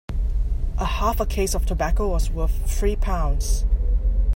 A half a case of tobacco was worth three pounds.